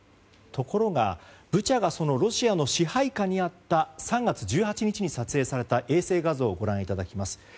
ところが、ブチャがロシアの支配下にあった３月１８日に撮影された衛星画像をご覧いただきます。